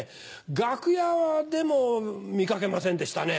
楽屋でも見掛けませんでしたね。